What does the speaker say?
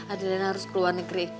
adilnya harus ke luar negeri